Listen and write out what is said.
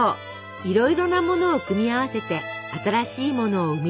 いろいろなものを組み合わせて新しいものを生み出す。